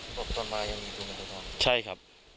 ตกตอนมายังมีตัวเงินตัวทอง